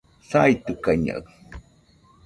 saitɨkaɨñaɨ